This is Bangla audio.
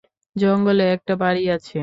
জঙ্গলে একটা বাড়ি আছে।